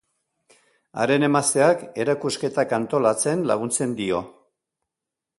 Haren emazteak erakusketak antolatzen laguntzen dio.